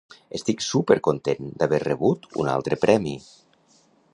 Estic súper content d'haver rebut un altre premi!